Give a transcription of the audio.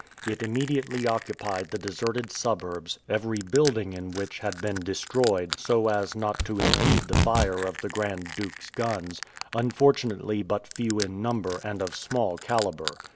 It immediately occupied the deserted suburbs, every building in which had been destroyed so as not to impede the fire of the Grand Duke's guns, unfortunately but few in number and of small caliber.